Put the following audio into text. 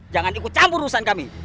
jangan ikut campur urusan kami